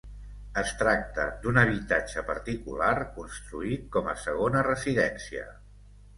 Es tracta d'un habitatge particular construït com a segona residència.